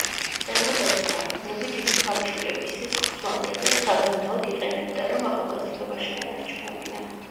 მწერლობაზე დაყრდნობით იგი ქალიშვილების სისხლს სვამდა და საბანაოდ იყენებდა, რომ ახალგაზრდობა შეენარჩუნებინა.